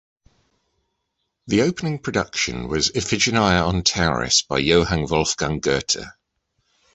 The opening production was "Iphigenia on Tauris" by Johann Wolfgang Goethe.